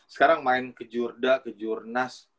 sekarang main kejurda kejurnas